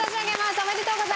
おめでとうございます！